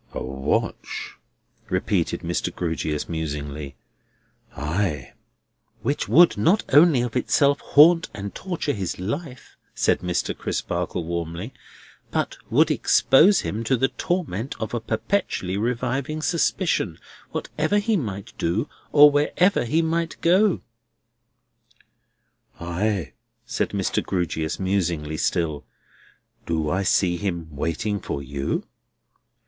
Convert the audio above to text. "A watch?" repeated Mr. Grewgious musingly. "Ay!" "Which would not only of itself haunt and torture his life," said Mr. Crisparkle warmly, "but would expose him to the torment of a perpetually reviving suspicion, whatever he might do, or wherever he might go." "Ay!" said Mr. Grewgious musingly still. "Do I see him waiting for you?"